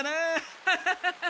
ハハハハハ！